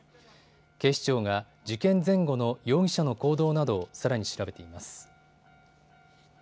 警視庁が事件前後の容疑者の行動などをさらに調べています。